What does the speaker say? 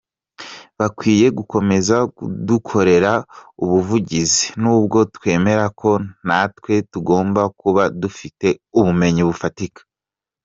Bakwiye gukomeza kudukorera ubuvugizi nubwo twemera ko natwe tugomba kuba dufite ubumenyi bufatika.